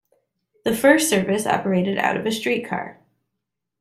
The first service operated out of a streetcar.